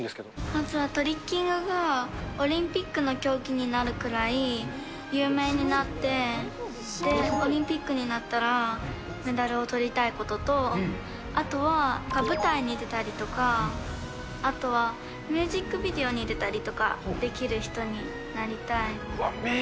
まずはトリッキングがオリンピックの競技になるくらい、有名になって、で、オリンピックになったら、メダルをとりたいことと、あとは、舞台に出たりとか、あとはミュージックビデオに出たりとかできる人になりたい。